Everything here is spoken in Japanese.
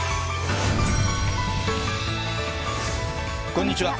こんにちは。